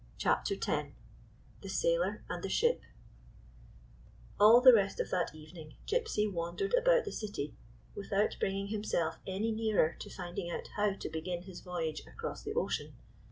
CHAPTER X THE SAILOR AND THE SHIP A LL the rest of that evening Gypsy wan dered about the city without bringing himself any nearer to finding out how to begin his voyage across the ocean.